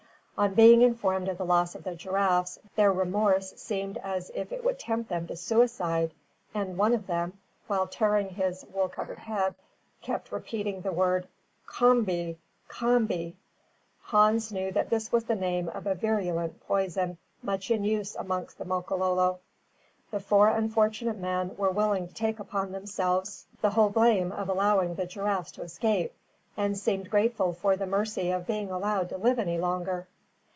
On being informed of the loss of the giraffes, their remorse seemed as if it would tempt them to suicide, and one of them, while tearing his wool covered head, kept repeating the word kombi, kombi! Hans knew that this was the name of a virulent poison much in use amongst the Makololo. The four unfortunate men were willing to take upon themselves the whole blame of allowing the giraffes to escape, and seemed grateful for the mercy of being allowed to live any longer!